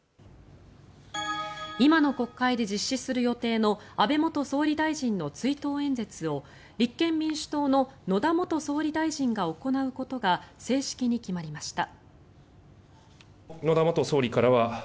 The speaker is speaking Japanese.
今の国会で実施する予定の安倍元総理大臣の追悼演説を立憲民主党の野田元総理大臣が行うことが正式に決まりました。